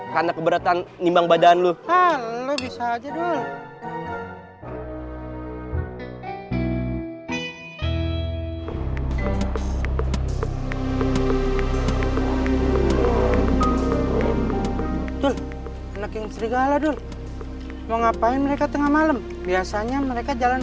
hai tuh enak yang serigala dulu mau ngapain mereka tengah malam biasanya mereka jalan